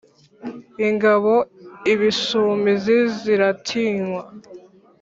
ingabo ibisumizi ziratinywa